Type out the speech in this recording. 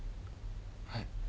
はい。